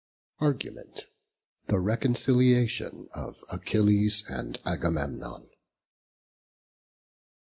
ARGUMENT. THE RECONCILIATION OF ACHILLES AND AGAMEMNON.